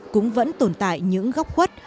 cũng vẫn tồn tại những góc khuất